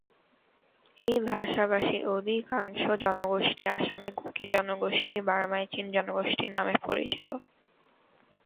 এই ভাষাভাষী অধিকাংশ জনগোষ্ঠী আসামে কুকি জনগোষ্ঠী, বার্মায় চিন জনগোষ্ঠী নামে পরিচিত।